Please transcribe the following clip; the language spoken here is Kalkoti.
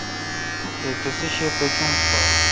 تے تسے°شی پیچونس پا۔